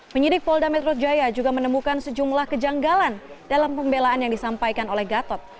penyidik polda metro jaya juga menemukan sejumlah kejanggalan dalam pembelaan yang disampaikan oleh gatot